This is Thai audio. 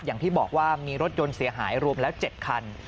อย่างที่บอกว่ามีรถยนต์เสียหายรวมแล้ว๗คัน